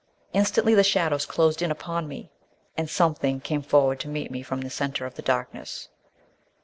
Instantly the shadows closed in upon me and "something" came forward to meet me from the centre of the darkness.